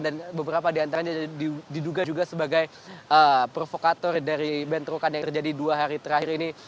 dan beberapa diantaranya diduga juga sebagai provokator dari bentrokan yang terjadi dua hari terakhir ini